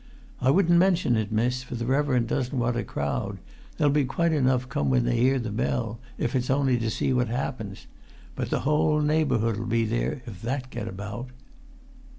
I wouldn't mention it, miss, for the reverend doesn't want a crowd; there'll be quite enough come when they hear the bell, if it's only to see what happens; but the whole neighbourhood 'll be there if that get about."